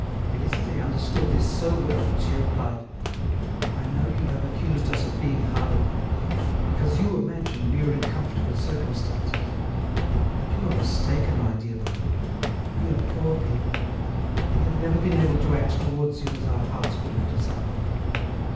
Félicité understood this so well that she replied: "I know you have accused us of being hard upon you, because you imagine we are in comfortable circumstances; but you are mistaken, my dear brother; we are poor people; we have never been able to act towards you as our hearts would have desired."